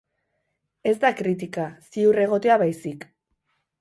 Ez da kritika, ziur egotea baizik.